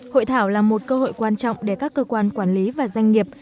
hội thảo là một cơ hội quan trọng để các cơ quan quản lý và doanh nghiệp